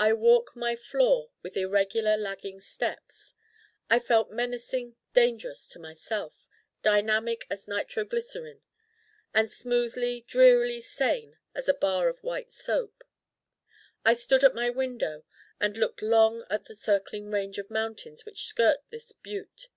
I walked my floor with irregular lagging steps. I felt menacing, dangerous to myself, dynamic as nitro glycerine: and smoothly drearily sane as a bar of white soap. I stood at my window and looked long at the circling range of mountains which skirt this Butte.